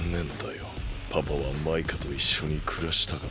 パパはマイカといっしょにくらしたかった。